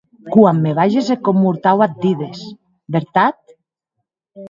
Quan me balhes eth còp mortau ac dides, vertat?